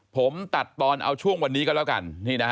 ผมตัดตอนเอาช่วงวันนี้ก็แล้วกัน